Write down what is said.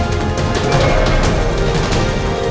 tidak peduli saya